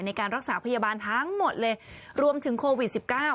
ในการรักษาพยาบาลทั้งหมดเลยรวมถึงโควิด๑๙